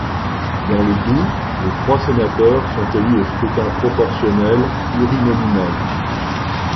Dans le Doubs, les trois sénateurs sont élus au scrutin proportionnel plurinominal.